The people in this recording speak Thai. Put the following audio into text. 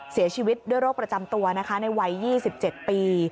เสียชีวิตด้วยโรคประจำตัวนะคะในวัย๒๗ปี